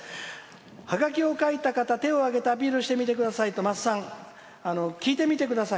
ハガキを書いた方、手を挙げてアピールしてみてくださいとまっさん聞いてみてください」。